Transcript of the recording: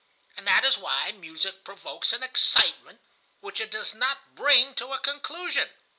And that is why music provokes an excitement which it does not bring to a conclusion.